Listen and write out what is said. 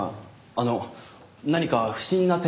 あの何か不審な点でも？